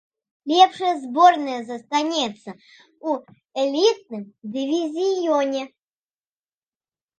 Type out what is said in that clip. Лепшая зборная застанецца ў элітным дывізіёне.